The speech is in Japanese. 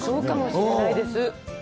そうかもしれないです。